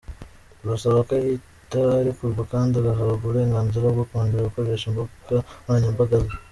Turasaba ko ahita arekurwa kandi agahabwa uburenganzira bwo kongera gukoresha imbuga nkoranyambaga ze.